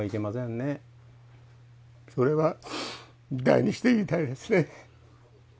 それは大にして言いたいですね。